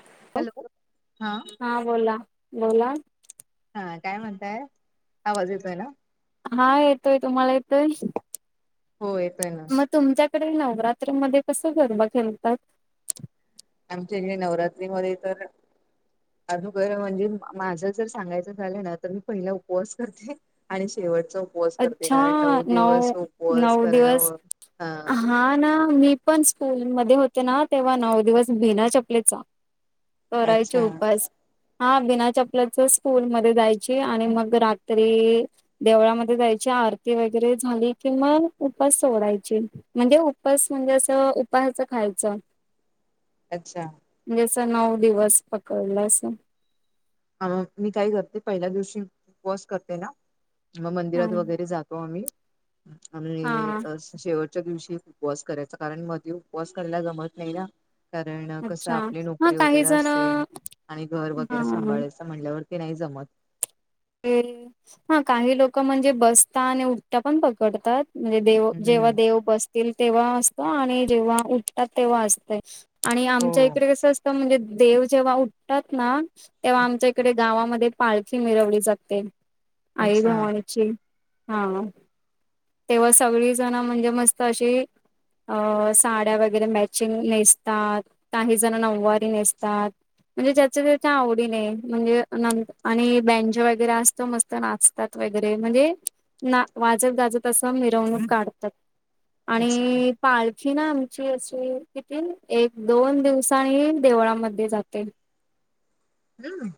Hello, हा बोला- बोला, हा काय म्हणताय, आवाज येतोय ना? हा येतोय, तुम्हाला येतोय? हो येतोय ना. म तुमच्याकडे नवरात्री मध्ये कसा गरबा खेलतात? आमच्या इकडे नवरात्रीमध्ये तर अगोदर म्हणजे माझं जर सांगायचं झालं ना तर मी पहिला उपवास करते आणि शेवटचा उपवास करते अच्छा कारण नऊ दिवस उपवास नऊ दिवस करणं हा. हा ना मी पण स्कूल मध्ये होते ना तेव्हा नऊ दिवस बीना चपलेचा करायचे अच्छा उपास. हा बिना चपलेचा स्कूलमध्ये जायची आणि मग रात्री देवळाम ध्ये जायची आरती वगैरे झाली कि मग उपास सोडायची. म्हणजे उपास म्हणजे असं उपासचा खायचं. अच्छा. म्हणजे असं नऊ दिवस पकडला असं. हा मग मी काय करते पहिल्या दिवशी उपवास करते ना म हा मंदिरात वगैरे जातो आम्ही आणि हा अस शेवटच्या दिवशी उपवास करायचा कारण मध्ये उपवास करायला जमत नाही ना. कारण कसं अच्छा आपली हा नोकरी काही वगैरे जण असेल आणि घर वगैरे हा स म्हणल्यावरती नाही जमत. ते हा काही लोकं म्हणजे बसता आणि उठता पण पकडतात. म्हणजे देव जेव्हा हम्म देव बसतील तेव्हा असतं आणि जेव्हा उठतात तेव्हा असतय. आणि हो आमच्या इकडे कसं असतं म्हणजे देव जेव्हा उठतात ना तेव्हा आमच्या इकडे गावामध्ये पालखी मिरवली जाते आई अच्छा भावानीची. हा तेव्हा सगळी जण म्हणजे मस्त अशी अ साड्या वगैरे मॅचिंग नेसतात काही जण नऊवारी नेसतात. म्हणजे ज्याच्या त्याच्या आवडीने म्हणजे नंत आणि बेंजो वग गैेरा असत मस्त नाचतात वगैरे म्हणजे ना वाजत गाजत असं मिरवणूक काढतात अच्छा आणि पालखी ना आमची अशी किती एक दोन दिवसानी देवळामध्ये जाते. हां.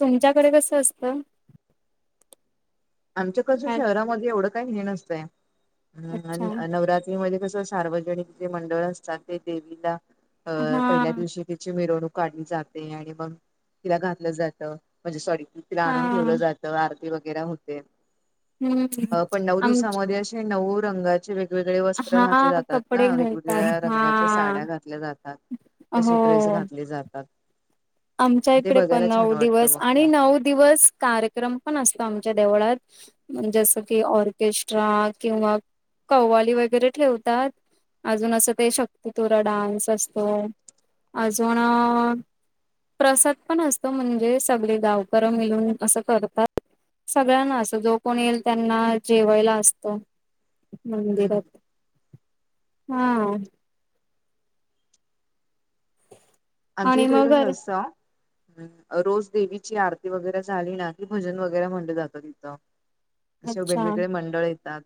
तुमच्याकडे कसं असतं? आमच्या कसं हा शहरामध्ये एवढं काय हे हा नसतंय आणि अच्छा नवरात त्रि कसं सार्वजनिक जे मंडळ असतात ते देवीला अ हा पहिल्या दिवशी तिची मिरवणूक काढली जाते आणि मग तिला घातलं जातं म्हणजे सॉरी तिला हा आणून ठेवलं जातं आरती वगैरे होते हम्म अ पण नऊ आम दिवसामध्ये अशी नऊ रंगाचे वे गवेगळे वस्त्र हा घातले जातात कपडे ना वेगवेगळ्या घालतात हा रंगाच्या साड्या घातल्या जातात. तसे ड्रेस हो घातले जातात. आमच्या ते इकडे पण बघायला छान नऊ वाटतं दिवस मग आणि त्या नऊ दिवस कार क्रम पण असतो आमच्या देवळात. म्हणजे असं कि ऑर्केस्ट्रा किंवा कव्वाली वगैरे ठेवतात अजून असं काही शक्ती तुरा डान्स असतो अजून प्रसाद पण असतो म्हणजे सगळे गावकर मिळून असं करतात. सगळ्यांना असं जो कोण येईल त्यांना जेवायला असतं हम्म. मंदिरात हा. आमच्या आणि इिकडे मग कसं असतं हा रोज देवीची आरती वगैरे झाली ना कि भजन वगैरे म्हटलं जातं तिथं. अशे अच्छा वेगवेगळे मंडळ येतात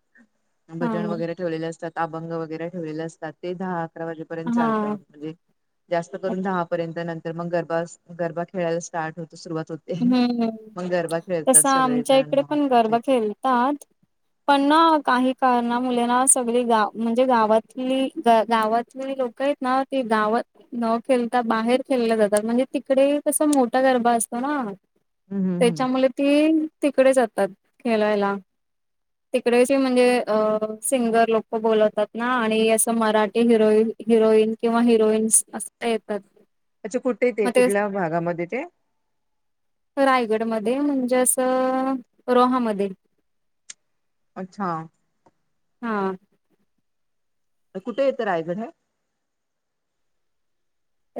हा भजन वगैरे ठेवलेले असतात अभंग वगैरे ठेवलेले असतात ते दहा अकरा वाजेपर्यंत चालतं हा म्हणजे जास्त करून नऊ दहापर्यंत नंतर मग गरबा गरबा खेळायला स्टार्ट होतं सुरुवात ते हम्म. मग गरबा खेळतात तसं सगळे आमच्या जण इकडे पण त्याच्या गरबा इथं [unintelligible] पण ना काही कारणांमुळे मुलांना सगळी गाव म्हणजे गावातली गावात लोकं आहेत ना ते गावात न खेळता बाहेर खेळल्या जातात म्हणजे तिकडे तसा मोठा गरबा असतो असतो ना हम्म हम्म हम्म त्याच्यामुळे ती तिकडे जातात खेळायला तिकडेच म्हणजे अ सिंगर लोकं बोलवतात ना आणि असं मराठी हिरोईन हिरोईन किंवा हिरोईन्स असं त्या येतात अच्छा कुठे ते कुठल्या भागामध्ये ते रायगडमध्ये म्हणजे असं रोहामध्ये अच्छा हा तर कुठे येतं रायगड हे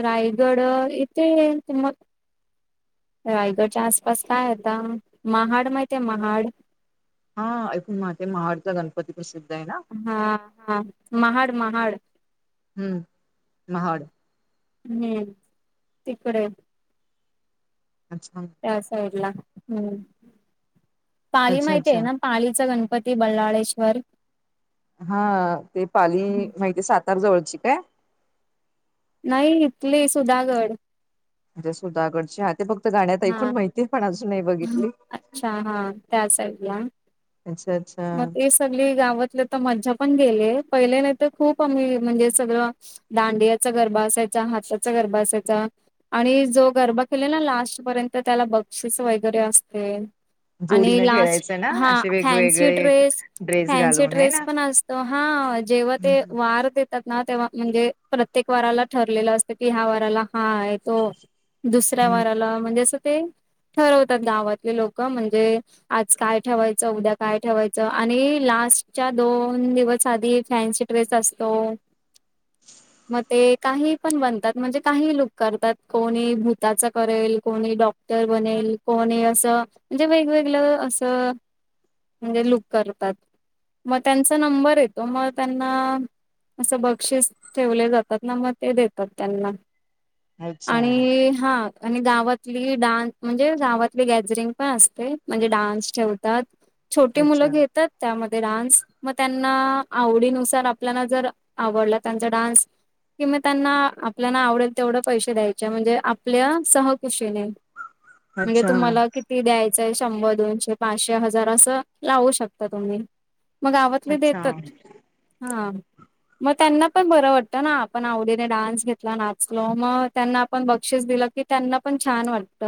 रायगड इथे मग रायगडच्या आसपास काय आता महाड माहित आहे महाड हा ऐकूण माहित आहे महाडचा गणपती प्रसिद्ध आहे ना हा हा महाड महाड हम्म महाड हम्म तिकडे अच्छा त्या साईडला हम पाली अच्छा माहिती अच्छा आहे ना पालीचा गणपती पती बल्लाळेश्वर हा ते पाली माहितीये सातार जवळची काय नाही इथली सुधागड म्हणजे सुधाकडची आ ते फक्त गाण्यात हा ऐकून माहिती पण अजून नाही बघितली अच्छा हा त्या साईडला अच्छ अच्छा मग ते सगळी गावातले तर मज्जा पण गेले पहिले नाही तर खूप आम्ही म्हणजे सगळं दांडियाचा गरबा असायचा हाताचा गरबा असायचा आणि जो गरबा केला ना लास्टपर्यंत त्याला बक्षीस वगैरे असते आणि जोडीनं लास्ट खेळायचं ना हा असे फॅन्सी वेगवेगळे ड्रेस ड्रेस फॅन्सी घालून आहे ड्रेस ना? पण असतं हा जेव्हा हम्म ते हम्म. वार देत देतात ना तेव्हा म्हणजे प्रत्येक वाराला ठरलेलं असतं कि ह्या वाराला हा आहे तो दुसऱ्या हम्म वाराला म्हणजे असं ते ठरवतात गावातले लोकं म्हणजे आज काय ठेवायचं उद्या काय ठेवायचं आणि लास्टच्या दोन दिवस आधी फॅन्सी ड्रेस असतो [unintelligible] मग ते काही पण बनतात म्हणजे काहीही लुक करतात कोणी भूताचा करेल कोणी डॉक डॉक्टर बनेल कोणी असं म्हणजे वेगवेगळै असं म्हणजे लुक करतात म त्यांचा नंबर येतो म त्यांना असं बक्षीस ठेवले जातात ना मग ते देतात त्यांना अच्छा. आणि हा आणि गावातली डान्स म्हणजे गावातली गॅदरिंग पण असते म्हणजे डान्स ठेवतात छोटी मुलं अच्छा. घेतात त्यामध्ये डान्स मग त्यांना आवडीनुसार आपल्याला जर आवडला त्यांचा डान्स? कि म त्यांना आपल्याना आवडेल तेवढं पैसे द्यायचे म्हणजे आपल्या सहकुशीने. म्हणजे अच्छा तुम्हाला किती द्यायचंय शंभर दोनशे पाचशे हजार असं लावू शकत. त तुम्ही मग गावातले अच्छा. देतात हा. मग त्यांना पण बरं वाटतं ना आपण आवडीने डान्स घेतला नाचलो मग त्यांना आपण बक्षीस दिलं की त्यांना पण छान वाटत.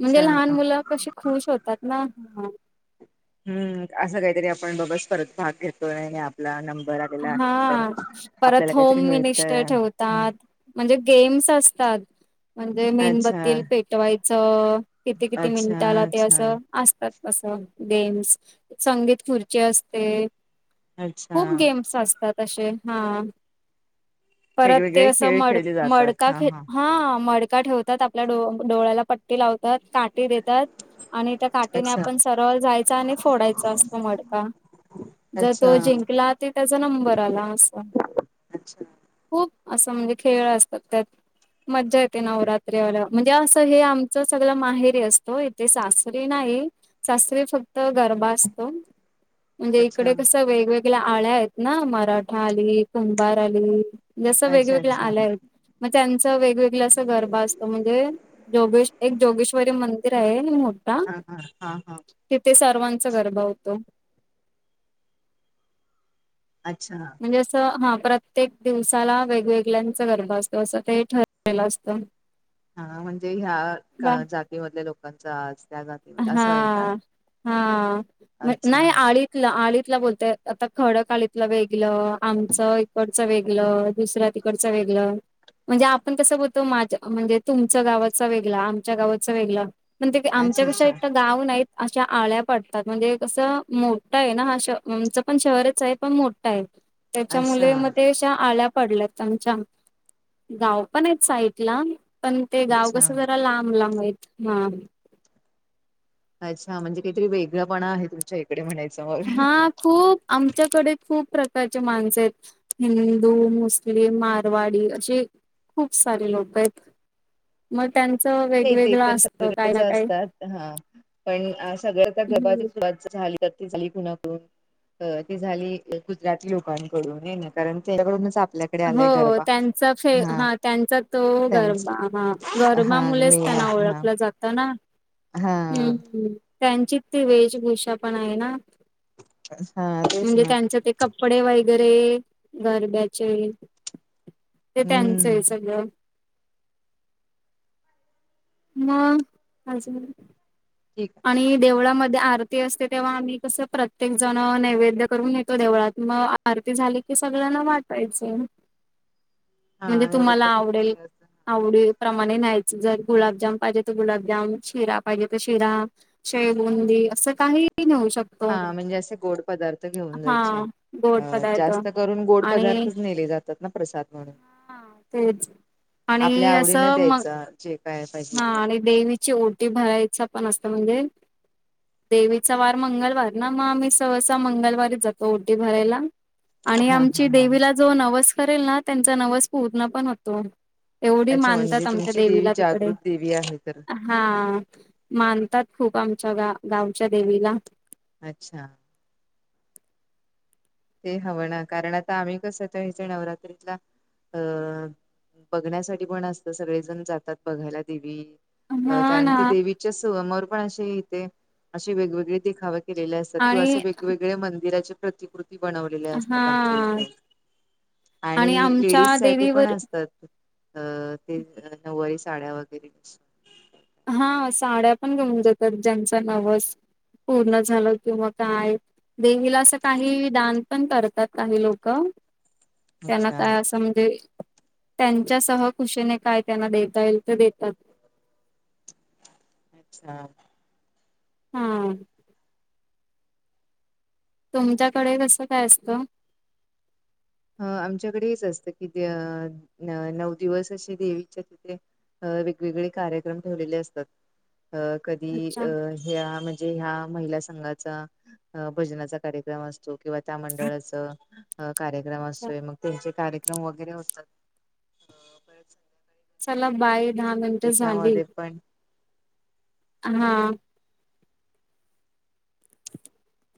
म्हणजे लहान मुलं कशी खुश होतात ना म. हम्म असं काहीतरी आपण बाबा परत भाग घेतो नाही आपला नंबर आलेला हा आहे तर परत आपल्याला होम काहीतरी मिळतय मिनिस्टर हम्म. ठेवतात. म्हणजे गेम्स असतात म्हणजे अच्छा मेणबत्तील पेटवायचं. किती किती अच्छा मिनिटाला ते अच्छा असं. असतात असं गेम्स संगीत खुर्ची असते. अच्छा खूप गेम्स असतात असे हा. परत ते वेगवेगळे असं खेळ मड खेळले जातात मडका हा खेळ हा मडका ठेवतात आपल्या डो डोळ्याला पट्ट ट्टी लावतात काटी देतात. आणि त्या काठीने अच्छा आपण सरळ जायच आणि फोडायचा असतो मडका. जर तो अच्छा जिंकला ते त्याचा नंबर आला अस. अच्छा खूप असं म्हणजे खेळ असतात त्यात. मज्जा येते नवरात्री आल्यावर म्हणजे असं हे आमचं सगळ माहेरी असतोय. ते सासरी नाही सासरी फक्त गरबा असतो. म्हणजे अच्छा इकडे कस वेगवेगळ्या आळ्या आहेत ना मराठा आली कुंभार आली. जसं अच्छा वेगवेगळ अच्छा आल्या आहेत मग त्यांचं वेगवेगळ असं गरबा असतो म्हणजे जोगेश एक जोगेश्वरी मंदिर आहे मो. हा हा हा हा तिथे सर्वांचा गरबा होतो. अच्छा. म्हणजे असं हा प्रत्येक दिवसाला वेगवेगळ्यांच गरभा असतो असं ते ठरलेलं असतं. हा म्हणजे ह्या जातीमधल्या लोकांच आज त्या जाती हा हा म अच्छा नाही आळी आलीतला बोलतय आता खडक आळीतलं वेगल आमचं इकडचं वेगल दुसऱ्या त इकडच वेगलं म्हणजे आपण तसं बोलतो माझ म्हणजे तुमच गावाचा वेगळा आमच्या गावाच वेगळ पण ते अच्छा कशा अच्छा एक तर गाव नाहीत अशा आळ्या पडतात म्हणजे कसं मोठं आहे ना हा श आमचं पण शहरच आहे पण मो. त्याच्या मुले अच्छा म त्या आळ्या पडल्यात आच्या गाव पण आहेत साईडला. पण ते गाव अच्छा कसं जरा लांब लांब आहेत हा. अच्छा म्हणजे काहीतरी वेगळंपणा आहे तुमच्या इकडे म्हणायचं मग हा खूप आमच्याकडे खूप प्रकारचे माणसे आहेत. हिंदू मुस्लिम मारवाडी असे खूप सारे लोक आहेत. मग त्यांच नाही ते तर सगळीकच असतात हा पण सगळ तर गबा सुरवात झाली. ली कुणाकून ती झाली गुजराती लोकांनकडून हे ना कारण त्याच्याकडूनच आपल्यात हो त्यांचा खेळ हा, त्यांचा तो गळ, त्यांच हा गरमा मुळेच मेन त्यांना आहे हा. ओळखलत. जाताना, हा हम्म हम त्यांची ती वेशभूषा पण आहे ना हा तेच म्हणजे ना त्यांच ते कपडे वगैरे, गरब्या चे, ते त्यांचं हम्म हाय सगळं म अजून ठीक आणि देवळामध्ये आरती असते तेव्हा आम्ही कसं प्रत्येक जण नैवेद्य करून घेतो देवळात मग आरती झाली की सगळ्यांना वाटायचं म्हणजे हा तुम्हाला नैवेद्य आवडेल. घेतलेलं असत. आवडी प्रमाणे न्यायचं, जर गुलाबजाम पाहिजे तर गुलाबजाम, शिरा पाहिजे तर शिरा शेवबुंदी असं काहीही नेऊ शकत हा म्हणजे असे गोड पदार्थ घेऊन हा जायचे, गोड अ पदार्थ जास्त करून गोड आणि पदार्थच नेले जात त्यातनं प्रसाद म्हणून. तेच आपल्या आणि आवडीन असं मग द्यायचं जे काय पाहिजे हा ते आणि देवीची ओटी भरायच पण असत म्हणजे देवीचा वार मंगळवार ना, म आम्ही सहसा मंगळवारीच जातो ओटी भरायला. आणि हा हा आमची हा देवीला जो नवस करेल ना, त्यांचा नवस पूर्ण पण होतो. एवढी अच्छा म्हणजे मानतात आमच्या तुमची देवी देवीला तिकडे जागृत देवी आहे तर हा, मानतात खूप आमच्या गा, गावच्या देवीला. अच्छा ते हवं ना, कारण आता आम्ही कस ते हेच्या नवरात्रीतला अं बघण्यासाठी पण असत, सगळेजण जातात बघायला देवी अ हा कारण ना ते देवीच्या सवमवर पण असे येते असे वेगवेगळे देखावे केलेल्या असतात किंवा आणि अशे वेगवेगळ्या मंदिराच्या प्रतिकृती बनवलेल्या हा असतात आमच्या इथ आणि आमच्या लेडीज साठी पण देवीवर असतात. अ ते नऊवारी साड्या वगैरे हा साड्या पण घेऊन जातात, ज्यांच नवस पूर्ण झालं किंवा काय? देवीला असं काहीही दान पण करतात काही लोक त्यांना अच्छा काय असं म्हणजे त्यांच्या सह खुशीने काय त्यांना देता येईल ते देतात. अच्छा हा तुमच्याकडे कसं काय असतं? ह आमच्याकडे हेच असतं की नऊ दिवस असे देवीच्या तिथे अ वेगवेगळे कार्यक्रम ठेवलेले असतात अ कधी अच्छा अ ह्या म्हणजे ह्या महिला संघाचा, भजनाचा कार्यक्रम असतो. किंवा त्या मंडळाच कार्यक्रम अच्छा. असतोय, मग त्यांचे कार्यक्रम वगैरे होतात. चला बाय दहा मिनिटं झाली. त्याच्यामध्ये पण हा [unintelligible]